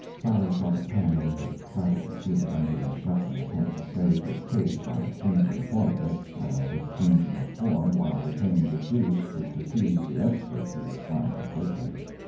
Sally felt a pang, but tried to conceal it under a shuffling attempt to save his case by changing the form of it as if changing the form while retaining the juice could deceive the expert he was trying to placate.